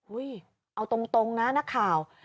เอาตรงนะนักข่าว